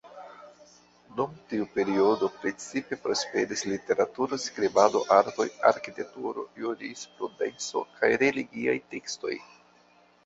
Dum tiu periodo precipe prosperis literaturo, skribado, artoj, arkitekturo, jurisprudenco kaj religiaj tekstoj.